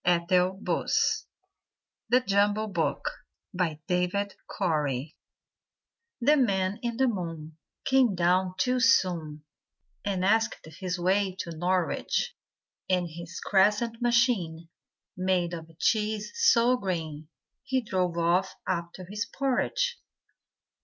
[Illustration: Harvey Peake] _The Man in the Moon, Came down too soon, And asked his way to Norwich. In his crescent machine, Made of cheese so green, He drove off after his porridge.